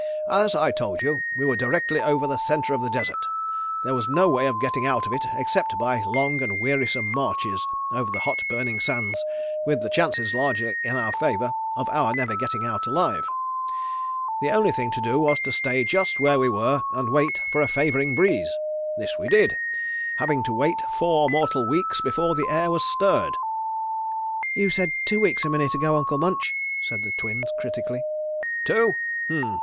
As I told you we were directly over the centre of the desert. There was no way of getting out of it except by long and wearisome marches over the hot, burning sands with the chances largely in favour of our never getting out alive. The only thing to do was to stay just where we were and wait for a favouring breeze. This we did, having to wait four mortal weeks before the air was stirred." "You said two weeks a minute ago, Uncle Munch," said the Twins critically. "Two? Hem!